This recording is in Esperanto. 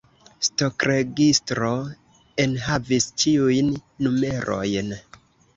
Stokregistro enhavis ĉiujn numerojn.